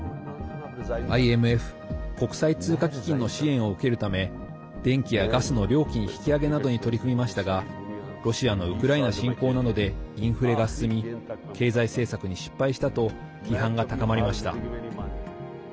ＩＭＦ＝国際通貨基金の支援を受けるため電気やガスの料金引き上げなどに取り組みましたがロシアのウクライナ侵攻などでインフレが進み経済政策に失敗したと批判が高まりました。